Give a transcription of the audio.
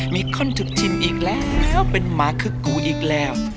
มีคนถูกชิมอีกแล้วเป็นหมาคือกูอีกแล้ว